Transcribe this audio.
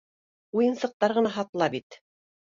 Уйынсыҡтар ғына һатыла бит.